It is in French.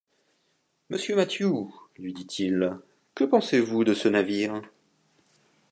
Monsieur Mathew, lui dit-il, que pensez-vous de ce navire ?